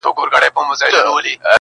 • چي ناڅاپه د خوني زمري غړومبی سو -